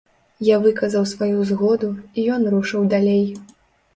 Я выказаў сваю згоду, і ён рушыў далей.